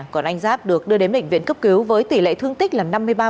còn anh giáp được đưa đến bệnh viện cấp cứu với tỷ lệ thương tích là năm mươi ba